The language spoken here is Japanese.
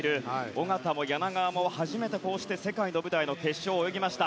小方も柳川も初めて世界の舞台の決勝を泳ぎました。